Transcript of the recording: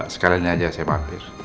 sekalian aja saya mampir